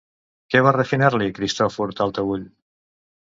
Què va refinar-li Cristòfor Taltabull?